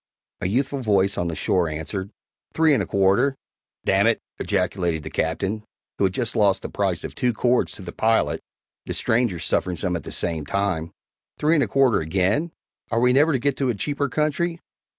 A youthful voice on the shore answered, "Three and a quarter!" "D nèt!" ejaculated the Captain, who had just lost the price of two cords to the pilot the strangers suffering some at the same time "three and a quarter again! Are we never to get to a cheaper country?